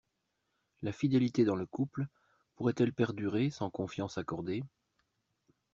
La fidélité dans le couple pourrait-elle perdurer sans confiance accordée?